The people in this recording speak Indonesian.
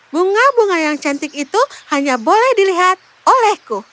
bunga bunga yang cantik itu hanya boleh dilihat olehku